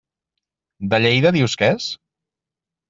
De Lleida dius que és?